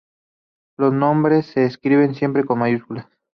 Los nombres se escriben siempre con mayúsculas.